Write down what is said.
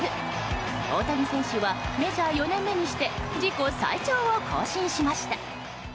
大谷選手はメジャー４年目にして自己最長を更新しました。